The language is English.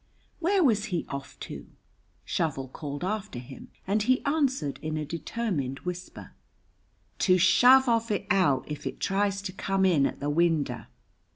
Where was he off to? Shovel called after him; and he answered, in a determined whisper: "To shove of it out if it tries to come in at the winder."